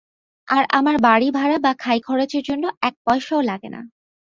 আর আমার বাড়ীভাড়া বা খাইখরচের জন্য এক পয়সাও লাগে না।